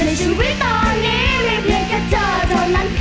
ชีวิตตอนนี้ไม่เพียงแค่เธอเท่านั้น